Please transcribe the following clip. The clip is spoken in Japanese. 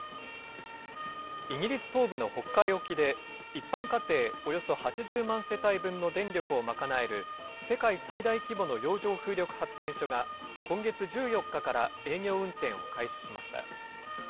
イギリス東部の北海沖で、一般家庭およそ８０万世帯分の電力を賄える世界最大規模の洋上風力発電所が、今月１４日から営業運転を開始しました。